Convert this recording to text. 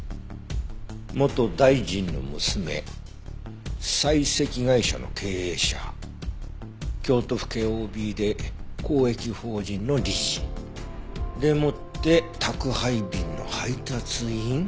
元大臣の娘採石会社の経営者京都府警ＯＢで公益法人の理事。でもって宅配便の配達員？